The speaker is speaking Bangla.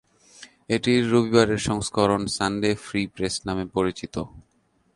এটির রবিবারের সংস্করণ সানডে ফ্রি প্রেস নামে পরিচিত।